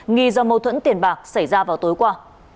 nghi do mâu thuẫn tiền bạc xảy ra vào tối qua